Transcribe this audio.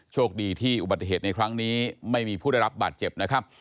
โชคดีที่อุบัติเหตุในครั้งนี้ไม่มีผู้ได้รับบาดเจ็บนะครับ